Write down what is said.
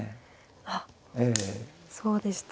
あっそうでした。